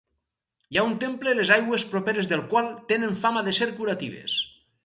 Hi ha un temple les aigües properes del qual tenen fama de ser curatives.